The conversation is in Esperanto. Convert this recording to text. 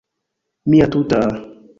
Mia tuta...